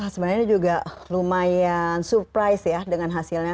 sebenarnya juga lumayan surprise ya dengan hasilnya